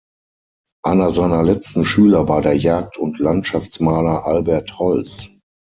Einer seiner letzten Schüler war der Jagd- und Landschaftsmaler Albert Holz.